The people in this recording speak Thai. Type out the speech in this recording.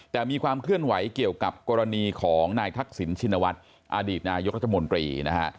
แต่มีความเคลื่อนไหวเกี่ยวกับกรณีของนายทักษิณชินวัฒน์อดีตนายกรัฐมนตรีนะฮะ